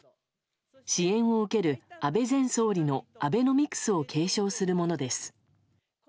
支援を受ける安倍前総理のアベノミクスを継承するものです。